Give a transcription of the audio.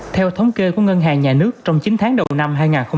theo thống kê của ngân hàng nhà nước trong chín tháng đầu năm hai nghìn hai mươi